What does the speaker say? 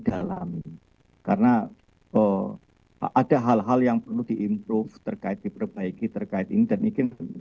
dalam karena oh ada hal hal yang perlu diimprove terkait diperbaiki terkait ini dan mungkin